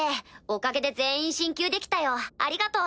おかげで全員進級できたよありがとう。